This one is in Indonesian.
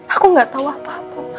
aku gak tau apa